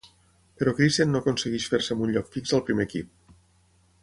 Però Cristian no aconsegueix fer-se amb un lloc fix al primer equip.